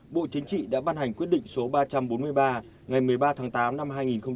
bộ chính trị đã ban hành quyết định số ba trăm bốn mươi ba ngày một mươi ba tháng tám năm hai nghìn một mươi chín